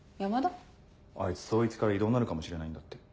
あいつ捜一から異動になるかもしれないんだって。